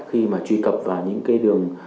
khi mà truy cập vào những cái đường